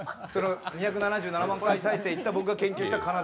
２７７万回再生いった僕が研究した「奏」。